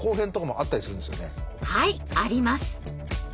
はいあります！